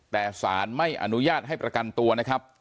แต่สารไม่อนุญาตให้ประกันตัวนะครับ